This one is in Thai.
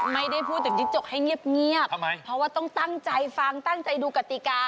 ไม่ได้พูดถึงจิ๊กจกให้เงียบเพราะว่าต้องตั้งใจฟังตั้งใจดูกติกา